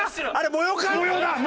模様か？